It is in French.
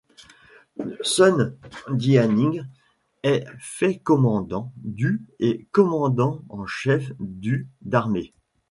Sun Dianying est fait commandant du et commandant en chef du d'armées.